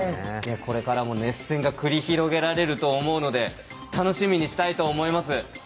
これからも熱戦が繰り広げられると思うので楽しみにしたいと思います。